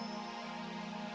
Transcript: mbak fim mbak ngerasa